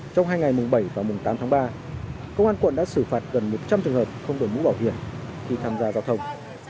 trong hai ngày mùng bảy và mùng tám tháng ba công an quận đã xử phạt gần một trăm linh trường hợp không đổi mũ bảo hiểm khi tham gia giao thông